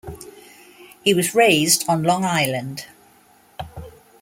He was raised on Long Island.